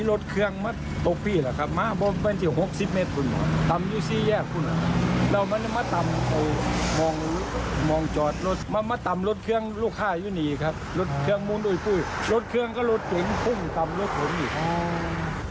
รถเครื่องม้วนโดยพุ่งรถเครื่องก็รถเก๋งพุ่งตามรถขนอีก